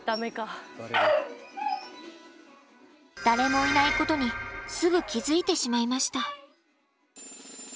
誰もいないことにすぐ気づいてしまいました。